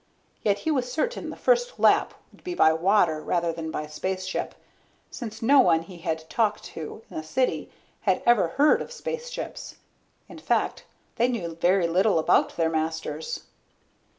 Yet he was certain the first lap would be by water rather than by spaceship, since no one he had talked to in the city had ever heard of spaceships. In fact, they knew very little about their masters.